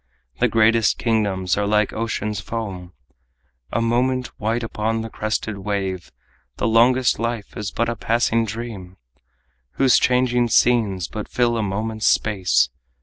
The greatest kingdoms are like ocean's foam, A moment white upon the crested wave. The longest life is but a passing dream, Whose changing scenes but fill a moment's space.